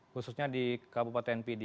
khususnya di kabupaten pdi